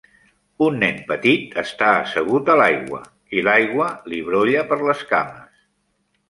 Un nen petit està assegut a l'aigua i l'aigua li brolla per les cames.